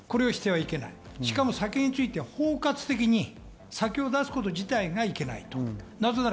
しかも酒については包括的に酒を出すこと自体がいけない。